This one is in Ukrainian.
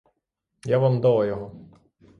Я вам дала його.